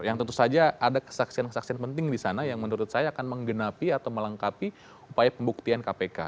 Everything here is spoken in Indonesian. yang tentu saja ada kesaksian kesaksian penting di sana yang menurut saya akan menggenapi atau melengkapi upaya pembuktian kpk